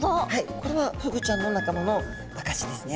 これはフグちゃんの仲間の証しですね。